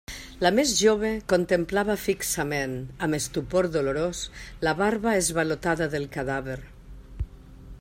La més jove contemplava fixament, amb estupor dolorós, la barba esvalotada del cadàver.